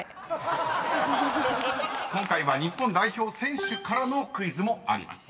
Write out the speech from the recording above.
［今回は日本代表選手からのクイズもあります］